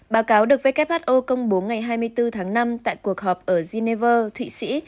báo cáo được who công bố ngày hai mươi bốn tháng năm tại cuộc họp ở geneva thụy sĩ